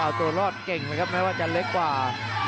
เอาตัวรอดเก่งเลยครับแม้ว่าจะเล็กกว่า